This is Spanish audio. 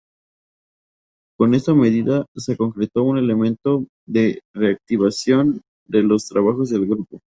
Con esta medida, se concretó un elemento de reactivación de los trabajos del Grupo.